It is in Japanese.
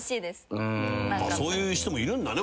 そういう人もいるんだね。